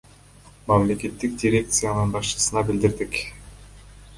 Мамлекеттик дирекциянын башчысына билдирдик.